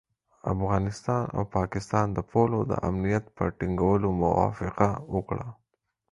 افغانستان او پاکستان د پولو د امنیت په ټینګولو موافقه وکړه.